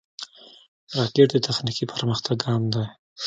راکټ د تخنیکي پرمختګ ګام دی